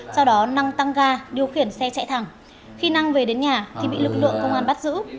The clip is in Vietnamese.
sau đó năng tăng ga điều khiển xe chạy thẳng khi năng về đến nhà thì bị lực lượng công an bắt giữ